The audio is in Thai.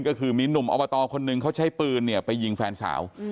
ก็คือมีหนุ่มอบตคนหนึ่งเขาใช้ปืนไปยิงแฟนสาว